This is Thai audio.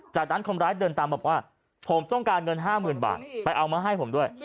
จากนั้นคนร้ายเดินตามบอกว่าผมต้องการเงิน๕๐๐๐บาทไปเอามาให้ผมด้วย